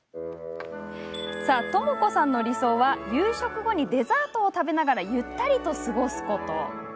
ともこさんの理想は夕食後にデザートを食べながらゆったりと過ごすこと。